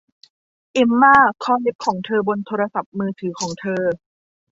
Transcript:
เอมม่าเคาะเล็บของเธอบนโทรศัพท์มือถือของเธอ